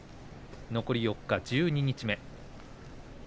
残り４日、十二日目。